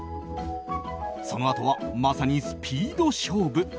そのあとは、まさにスピード勝負。